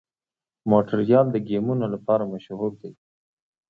مونټریال د ګیمونو لپاره مشهور دی.